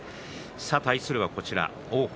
対するは王鵬。